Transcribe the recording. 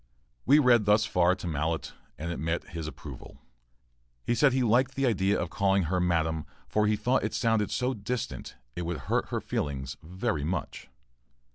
[We read thus far to Mallett, and it met his approval. He said he liked the idea of calling her "madam," for he thought it sounded so "distant," it would hurt her feelings very much.